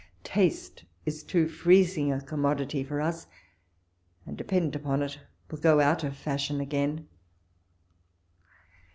Taste is too freezing a commodity for us, and, depend upon it, will go out of fashion again.